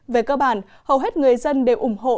về cơ bản hầu hết người dân đều ủng hộ